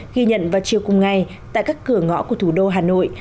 ghi nhận vào chiều cùng ngày tại các cửa ngõ của thủ đô hà nội